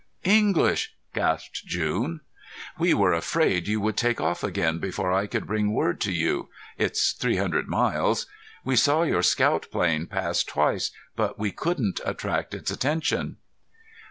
"English?" gasped June. "We were afraid you would take off again before I could bring word to you.... It's three hundred miles.... We saw your scout plane pass twice, but we couldn't attract its attention."